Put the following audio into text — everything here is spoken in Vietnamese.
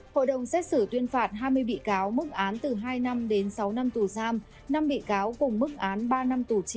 hội đồng xét xử tuyên phạt hai mươi bị cáo mức án từ hai năm đến sáu năm tù giam năm bị cáo cùng mức án ba năm tù treo